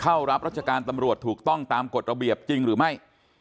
เข้ารับราชการตำรวจถูกต้องตามกฎระเบียบจริงหรือไม่